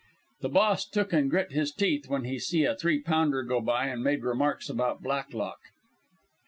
"The Boss took and grit his teeth when he see a three pounder go by, an' made remarks about Blacklock.